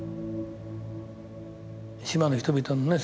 島の人々のね